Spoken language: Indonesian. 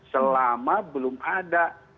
selama belum ada